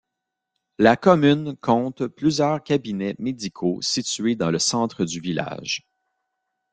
La commune compte plusieurs cabinets médicaux situés dans le centre du village.